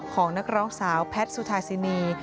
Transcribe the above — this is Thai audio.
ของนักร้องสาวแพทย์สุธาซินี